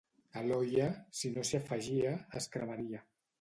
A l'olla, si no s'hi afegia, es cremaria.